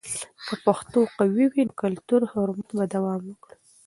که پښتو قوي وي، نو کلتوري حرمت به دوام وکړي.